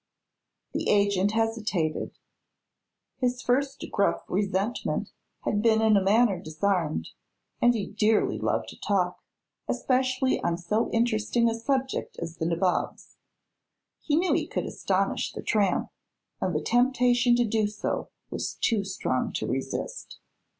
The agent hesitated. His first gruff resentment had been in a manner disarmed and he dearly loved to talk, especially on so interesting a subject as "the nabobs." He knew he could astonish the tramp, and the temptation to do so was too strong to resist.